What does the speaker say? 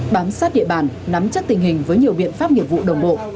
bám sát địa bàn nắm chắc tình hình với nhiều biện pháp nghiệp vụ đồng bộ